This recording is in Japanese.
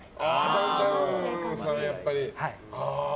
ダウンタウンさん、やっぱり。